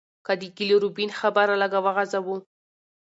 که د ګيل روبين خبره لږه وغزوو